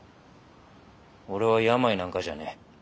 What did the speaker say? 俺は病なんかじゃねえ。